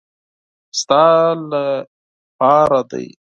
ستا له پاره دي .